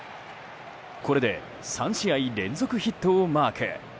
これで３試合連続ヒットをマーク。